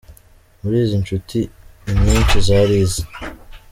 Muri izi nshuti, inyinshi zari ize.